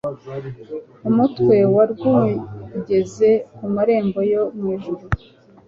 umutwe warwugeze ku marembo yo mw ijuru